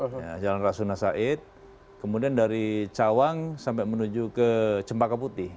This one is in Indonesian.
kemudian dari rasuna said jalan rasuna said kemudian dari cawang sampai menuju ke cempaka putih